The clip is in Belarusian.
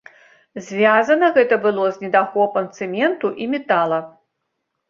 Звязана гэта было з недахопам цэменту і метала.